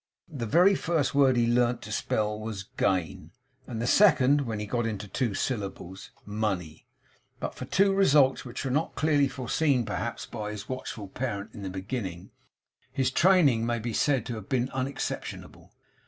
The very first word he learnt to spell was 'gain,' and the second (when he got into two syllables), 'money.' But for two results, which were not clearly foreseen perhaps by his watchful parent in the beginning, his training may be said to have been unexceptionable.